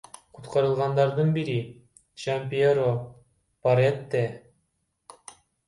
Куткарылгандардын бири Жампьеро Парете.